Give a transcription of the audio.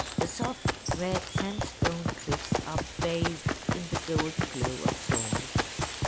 The soft, red sandstone cliffs are bathed in the golden glow of dawn.